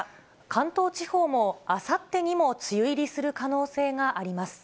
関東地方も、あさってにも梅雨入りする可能性があります。